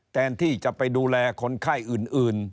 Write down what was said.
แทนที่จะไปดูแลคนไข้อื่น